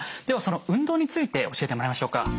ではその運動について教えてもらいましょうか。